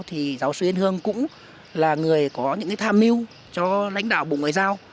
thì giáo sư yên hương cũng là người có những cái tham mưu cho lãnh đạo bộ ngoại giao